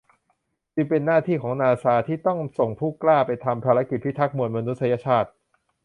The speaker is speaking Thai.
จึงเป็นหน้าที่ของนาซาที่ต้องส่งผู้กล้าไปทำภารกิจพิทักษ์มวลมนุษยชาติ